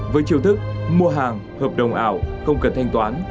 với chiều thức mua hàng hợp đồng ảo không cần thanh toán